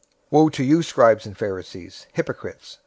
023:023 "Woe to you, scribes and Pharisees, hypocrites!